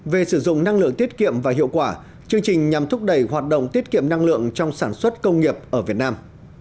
về sử dụng năng lượng tiết kiệm và hiệu quả chương trình nhằm thúc đẩy hoạt động tiết kiệm năng lượng trong sản xuất công nghiệp ở việt nam